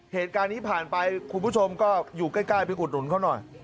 เหตุการณ์นี้ผ่านไปคุณผู้ชมก็อยู่ใกล้ไปอุดหนุนเขาหน่อย